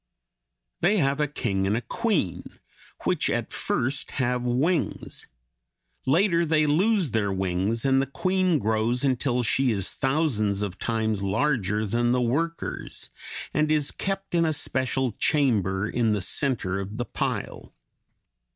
They have a king and queen, which at first have wings; later they lose their wings and the queen grows until she is thousands of times larger than the workers, and is kept in a special chamber in the center of the pile.